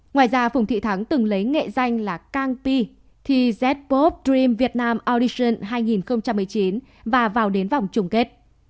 ngoài ra phùng thị thắng từng lấy nghệ danh là kang pi thi z pop dream vietnam audition hai nghìn một mươi chín và vào đến vòng chung kết